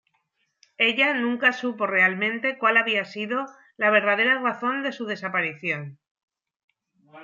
Ella nunca supo realmente cual había sido la verdadera razón de su desaparición.